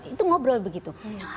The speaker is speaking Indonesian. itu ngobrol begitu